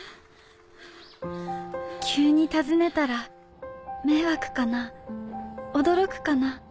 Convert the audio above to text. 急に訪ねたら迷惑かな驚くかな。